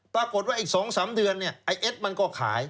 ปรากฏว่าอีก๒๓เดือนเนี่ยไอ้เอ็ดมันก็ขาย